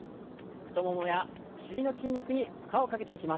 太ももやお尻の筋肉に負荷をかけていきます。